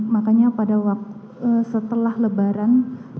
makanya pada setelah lebaran